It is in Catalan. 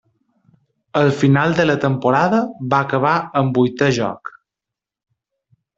Al final de la temporada, va acabar en vuitè lloc.